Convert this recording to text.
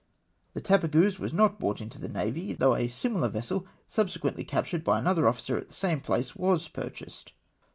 The TajKigeuse was not bought into the navy, though a similar vessel, subsequently captured by another officer at the same place, was purchased.